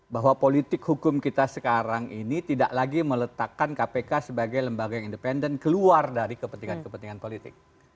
bahwa politik hukum kita sekarang ini tidak lagi meletakkan kpk sebagai lembaga yang independen keluar dari kepentingan kepentingan politik